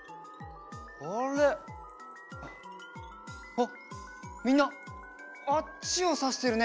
あっみんなあっちをさしてるね。